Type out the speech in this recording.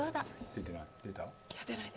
出てない？